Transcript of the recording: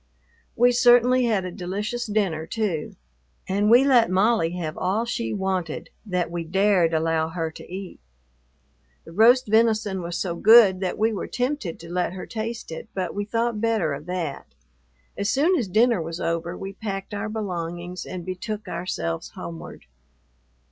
We certainly had a delicious dinner too, and we let Molly have all she wanted that we dared allow her to eat. The roast venison was so good that we were tempted to let her taste it, but we thought better of that. As soon as dinner was over we packed our belongings and betook ourselves homeward.